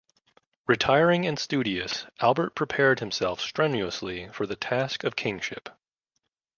Retiring and studious, Albert prepared himself strenuously for the task of kingship.